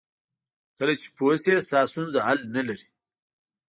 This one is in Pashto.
کله چې پوه شې ستا ستونزه حل نه لري.